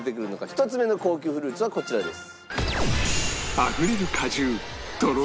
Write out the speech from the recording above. １つ目の高級フルーツはこちらです。